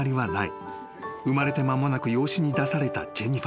［生まれて間もなく養子に出されたジェニファー］